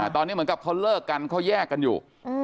ตอนนี้เหมือนกับเขาเลิกกันเขาแยกกันอยู่